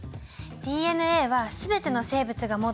ＤＮＡは全ての生物が持ってるの。